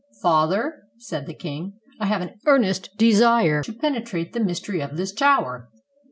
: "Father," said the king, "I have an earnest desire to penetrate the mystery of this tower."